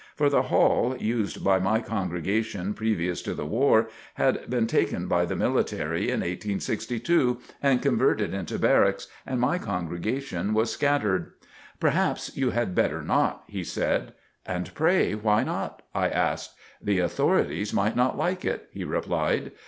For the hall, used by my congregation previous to the war, had been taken by the military, in 1862, and converted into barracks, and my congregation was scattered. "Perhaps you had better not," he said. "And pray, why not?" I asked. "The authorities might not like it," he replied.